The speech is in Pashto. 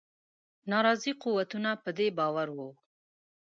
ناراضي قوتونه په دې باور وه.